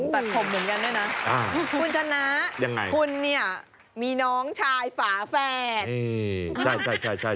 ตัดผมเหมือนกันเนี่ยนะคุณชนะคุณเนี่ยมีน้องชายฝาแฝด